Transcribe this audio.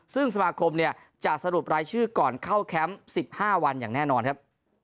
ซึ่งสมาคมจะสรุปรายชื่อก่อนเข้าแคมป์๑๕วันอย่างแน่นอนครับ